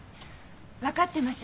分かってます。